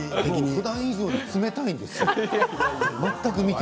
ふだん以上に冷たいんですよ。